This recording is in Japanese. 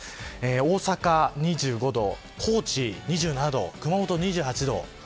大阪２５度、高知２７度熊本２８度。